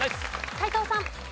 斎藤さん。